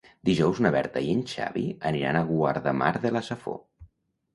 Dijous na Berta i en Xavi aniran a Guardamar de la Safor.